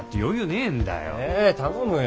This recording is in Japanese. え頼むよ。